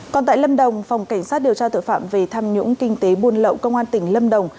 còn tại lâm đồng phòng cảnh sát điều tra tội phạm về tham nhũng kinh tế buôn lậu công an tỉnh lâm đồng